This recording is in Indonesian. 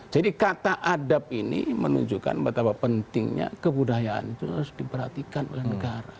jadi kata adab ini menunjukkan betapa pentingnya kebudayaan itu harus diperhatikan oleh negara